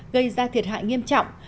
gây ra thiệt hại nghiêm trọng